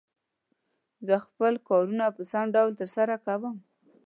زه خپل کارونه په سم ډول تر سره کووم.